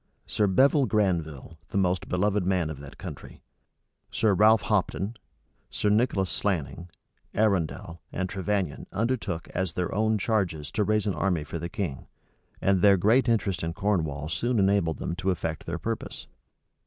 Sir Bevil Granville, the most beloved man of that country, Sir Ralph Hopton, Sir Nicholas Slanning, Arundel, and Trevannion undertook as their own charges to raise an army for the king; and their great interest in Cornwall soon enabled them to effect their purpose.